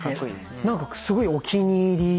何かすごいお気に入りでして。